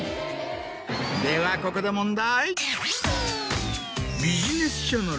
ではここで問題。